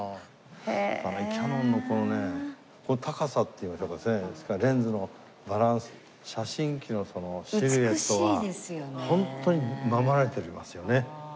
キヤノンのこのね高さっていいましょうかレンズのバランス写真機のシルエットがホントに守られておりますよね